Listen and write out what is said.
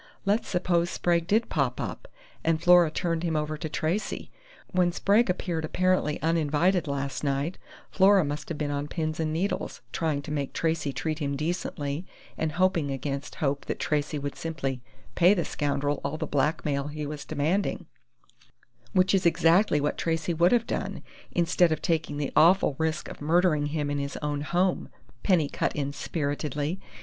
"Let's suppose Sprague did pop up, and Flora turned him over to Tracey. When Sprague appeared apparently uninvited last night, Flora must have been on pins and needles, trying to make Tracey treat him decently and hoping against hope that Tracey would simply pay the scoundrel all the blackmail he was demanding " "Which is exactly what Tracey would have done, instead of taking the awful risk of murdering him in his own home," Penny cut in spiritedly.